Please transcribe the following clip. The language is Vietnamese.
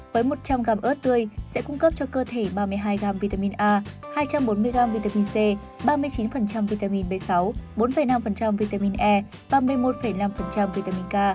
với một trăm linh g ớt tươi sẽ cung cấp cho cơ thể ba mươi hai g vitamin a hai trăm bốn mươi g vitamin c ba mươi chín vitamin b sáu bốn năm vitamin e ba mươi một năm vitamin k